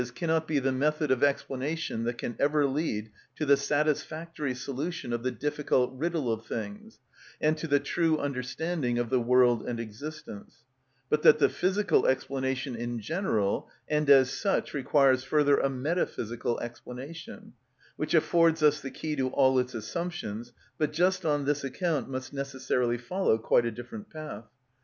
_, cannot be the method of explanation that can ever lead to the satisfactory solution of the difficult riddle of things, and to the true understanding of the world and existence; but that the physical explanation in general and as such requires further a metaphysical explanation, which affords us the key to all its assumptions, but just on this account must necessarily follow quite a different path.